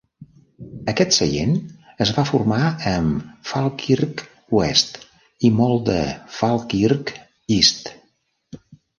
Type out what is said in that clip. Aquest seient es va formar amb Falkirk West i molt de Falkirk East.